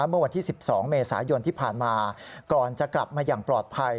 เมื่อวันที่๑๒เมษายนที่ผ่านมาก่อนจะกลับมาอย่างปลอดภัย